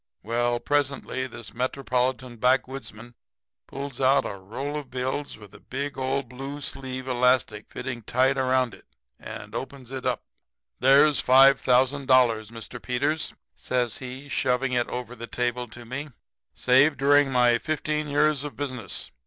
"Well, presently this metropolitan backwoodsman pulls out a roll of bills with an old blue sleeve elastic fitting tight around it and opens it up. "'There's $5,000, Mr. Peters,' says he, shoving it over the table to me, 'saved during my fifteen years of business.